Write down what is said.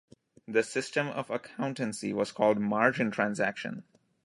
The system of accountancy was called "margin transaction".